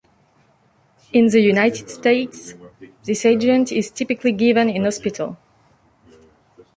In the United States, this agent is typically given in hospital.